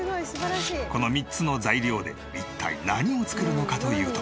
この３つの材料で一体何を作るのかというと。